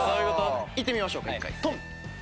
いってみましょうか１回トン。